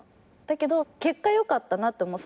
だけど結果よかったなって思う。